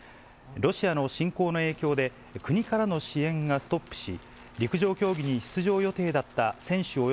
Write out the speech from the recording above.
ロシアの侵攻の影響で、国からの支援がストップし、陸上競技に出場予定だった選手